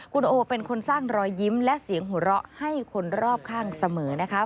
คุณโอเป็นคนสร้างรอยยิ้มและเสียงหัวเราะให้คนรอบข้างเสมอนะคะ